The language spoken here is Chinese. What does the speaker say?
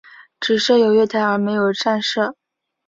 只设有月台而没有站舍。